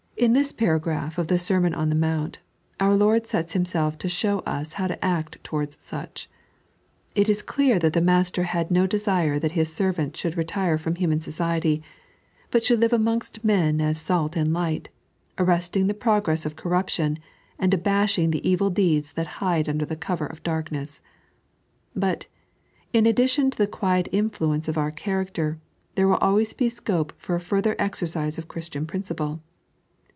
In this paragraph of the Sermon on the Mount, our Lord sets Himself to show us how to act towards such. It is clear that the Master had no desire that His servants should retire from humaa society, but should live amongst men as salt and light, arresting the progress of corruption, and abashing the evil deeds that hide under the cover of darkness; but, in addition to the quiet influence of our cliaracter, there will al^ys be scope for a farther exercise of Christian principle.